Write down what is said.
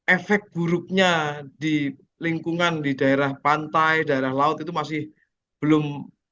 efek buruknya di lingkungan di daerah pantai daerah laut itu masih belum